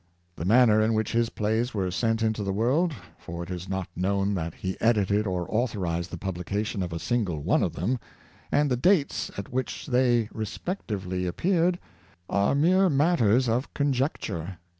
The manner in which his plays were sent into the world — for it is not known that he edited or authorized the publication of a single one of them — and the dates at which they re spectively appeared, are mere matters of conjecture.